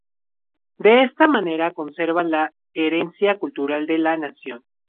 De esta manera conserva la herencia cultural de la nación.